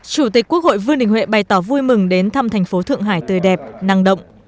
chủ tịch quốc hội vương đình huệ bày tỏ vui mừng đến thăm thành phố thượng hải tươi đẹp năng động